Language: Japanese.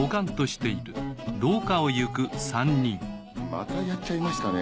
またやっちゃいましたね！？